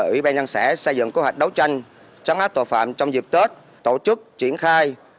ủy ban nhân xã xây dựng kế hoạch đấu tranh trấn áp tội phạm trong dịp tết tổ chức triển khai